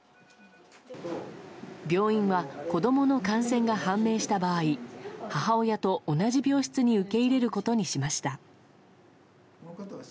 病院は子供の感染が判明した場合母親と同じ病室に受け入れることにしました。